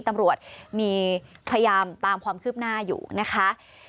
ตำรวจมีพยายามตามความคืบหน้าอยู่นะคะ